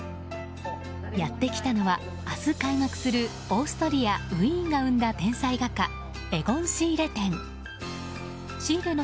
やってきたのは明日、開幕するオーストリア・ウィーンが生んだ天才画家「エゴン・シーレ展」。